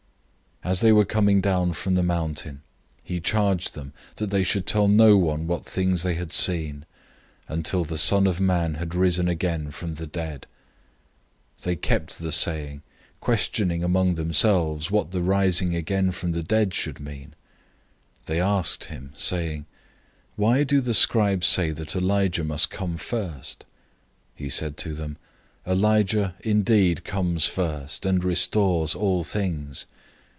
009:009 As they were coming down from the mountain, he charged them that they should tell no one what things they had seen, until after the Son of Man had risen from the dead. 009:010 They kept this saying to themselves, questioning what the "rising from the dead" meant. 009:011 They asked him, saying, "Why do the scribes say that Elijah must come first?" 009:012 He said to them, "Elijah indeed comes first, and restores all things.